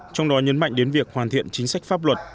trong đó nhấn mạnh đến việc hoàn thiện chính sách pháp luật